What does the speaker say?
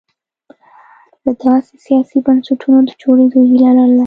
د داسې سیاسي بنسټونو د جوړېدو هیله لرله.